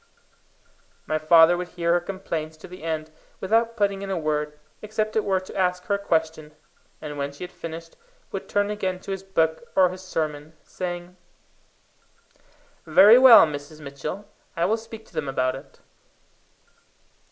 My father would hear her complaints to the end without putting in a word, except it were to ask her a question, and when she had finished, would turn again to his book or his sermon, saying "Very well, Mrs. Mitchell; I will speak to them about it."